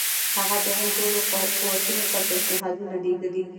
هغه د هند ټولو قوتونو ته پېشنهادونه لېږلي.